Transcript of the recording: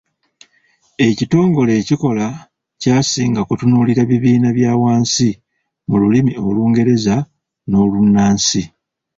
Ekitongole ekikola kyasinga kutunulira bibiina byawansi mu lulimi Olungereza n’olunaansi.